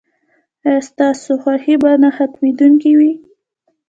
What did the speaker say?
ایا ستاسو خوښي به نه ختمیدونکې وي؟